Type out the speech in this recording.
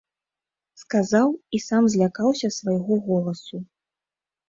Сказаў і сам злякаўся свайго голасу.